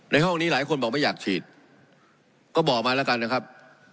ห้องนี้หลายคนบอกไม่อยากฉีดก็บอกมาแล้วกันนะครับ